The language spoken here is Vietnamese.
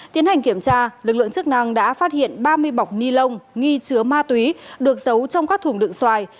tiến hành kiểm tra lực lượng chức năng đã phát hiện ba mươi bọc ni lông nghi chứa ma túy được giấu trong các thùng đựng xoài